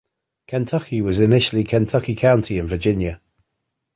Kentucky was initially Kentucky County in Virginia.